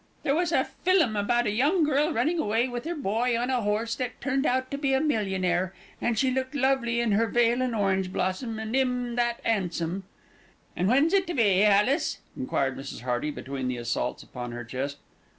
There was a filum about a young girl running away with 'er boy on a horse who turned out to be a millionaire and she looked lovely in her veil and orange blossom and 'im that 'andsome." "And when's it to be, Alice?" enquired Mrs. Hearty, between the assaults upon her chest.